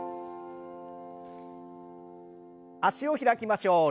脚を開きましょう。